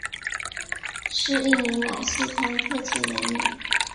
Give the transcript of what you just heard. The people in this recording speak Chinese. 来自不同学校的菁英选手聚集在一起。